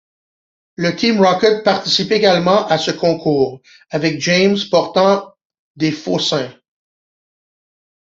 La Team Rocket participe également à ce concours, avec James portant des faux seins.